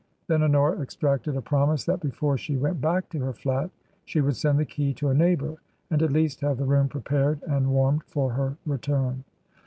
Then Honora extracted a promise that before she went back to her flat she would send the key to a neighbour, and at least have the room prepared and warmed for her return.